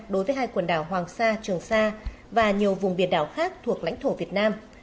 đối với hai quần đảo hoàng sa trường sa và nhiều vùng biển đảo khác thuộc lãnh thổ việt nam